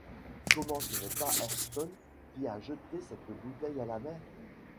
Comment ce n’est pas Ayrton qui a jeté cette bouteille à la mer